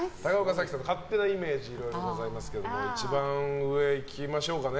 勝手なイメージいろいろとございますけども一番上、行きましょうか。